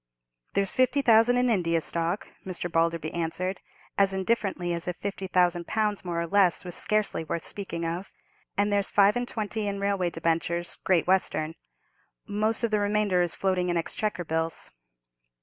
"There's fifty thousand in India stock," Mr. Balderby answered, as indifferently as if fifty thousand pounds more or less was scarcely worth speaking of; "and there's five and twenty in railway debentures, Great Western. Most of the remainder is floating in Exchequer bills."